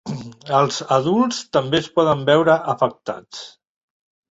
Els adults també es poden veure afectats.